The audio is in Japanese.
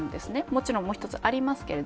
もちろんもう一つありますが。